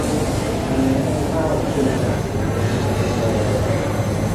มีให้เช่าคืนละ "หลักสิบยูโร"